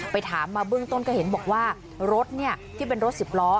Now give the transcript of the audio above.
ถามมาเบื้องต้นก็เห็นบอกว่ารถที่เป็นรถสิบล้อ